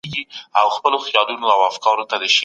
څنګه د نورو سره زړه سوی زموږ خپله رواني کچه لوړوي؟